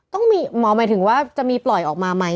หมอหมายถึงว่าจะมีปล่อยออกมาไหม